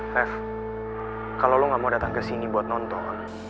lev kalo lo gak mau datang kesini buat nonton